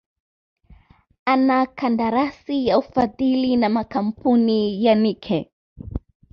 ana kandarasi ya ufadhili na kamapuni ya Nike